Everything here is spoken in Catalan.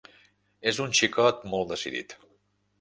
És un xicot molt decidit.